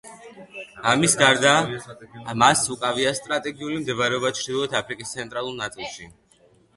ამის გარდა მას უკავია სტრატეგიული მდებარეობა ჩრდილოეთ აფრიკის ცენტრალურ ნაწილში.